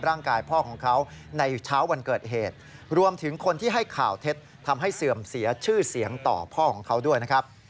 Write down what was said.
ร่างกายพ่อของเขาในเช้าวันเกิดเหตุรวมถึงคนที่ให้ข่าวเท็จทำให้เสื่อมเสียชื่อเสียงต่อพ่อของเขาด้วยนะครับ